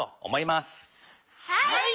はい。